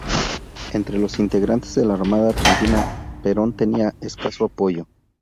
Entre los integrantes de la Armada Argentina, Perón tenía escaso apoyo.